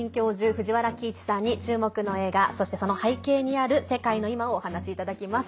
藤原帰一さんに注目の映画そして、その背景にある世界のいまをお話いただきます。